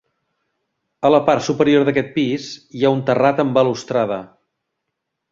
A la part superior d'aquest pis hi ha un terrat amb balustrada.